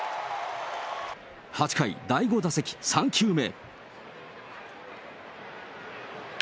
８回、第５打席３球目。